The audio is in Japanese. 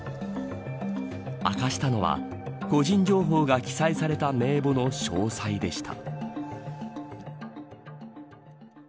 明かしたのは、個人情報が記載された名簿の詳細でした。